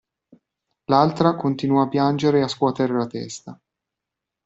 L'altra continuò a piangere e scuoter la testa.